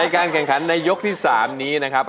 การแข่งขันในยกที่๓นี้นะครับ